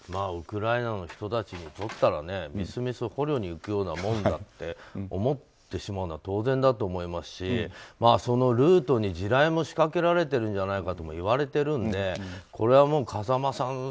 ウクライナの人たちにとったらみすみす捕虜に行くようなものだって思ってしまうのは当然だと思いますしそのルートに地雷を仕掛けられてるんじゃないかともいわれているのでこれは風間さん